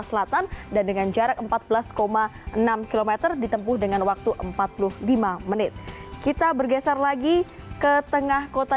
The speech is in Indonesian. selatan dan dengan jarak empat belas enam km ditempuh dengan waktu empat puluh lima menit kita bergeser lagi ke tengah kota